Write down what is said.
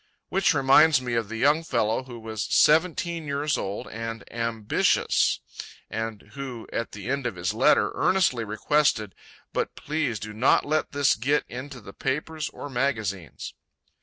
Which reminds me of the young fellow who was "seventeen years old and ambicious," and who, at the end of his letter, earnestly requested "but please do not let this git into the papers or magazines."